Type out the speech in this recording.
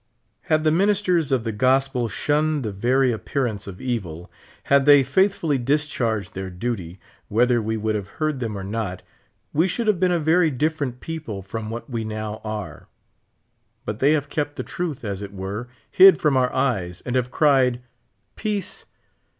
Had the ministers of the gospel shunned the very ap pearance of evil ; had they faithfully discharged their duty, whether we would have heard them or not, we should have been a very different people from what we now are ; but they have kept the truth, as it were, hid from our eyes, and have cried :' Peace